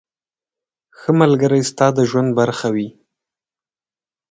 • ښه ملګری ستا د ژوند برخه وي.